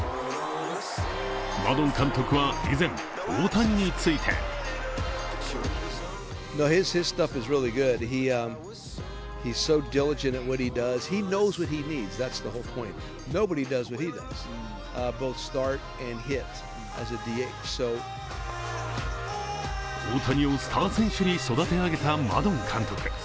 マドン監督は以前、大谷について大谷をスター選手に育て上げたマドン監督。